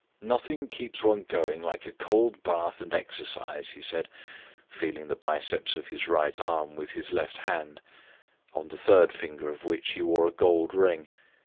"Nothing keeps one going like a cold bath and exercise," he said, feeling the biceps of his right arm with his left hand, on the third finger of which he wore a gold ring.